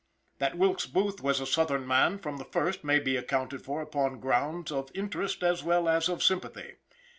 That Wilkes Booth was a southern man from the first may be accounted for upon grounds, of interest as well as of sympathy.